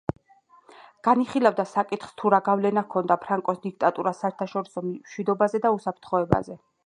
განიხილავდა საკითხს თუ რა გავლენა ჰქონდა ფრანკოს დიქტატურას საერთაშორისო მშვიდობაზე და უსაფრთხოებაზე.